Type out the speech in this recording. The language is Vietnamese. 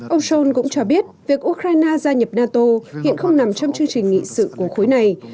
ông schol cũng cho biết việc ukraine gia nhập nato hiện không nằm trong chương trình nghị sự của khối này